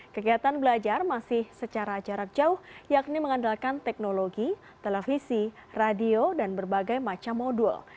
kegiatan belajar masih secara jarak jauh yakni mengandalkan teknologi televisi radio dan berbagai macam modul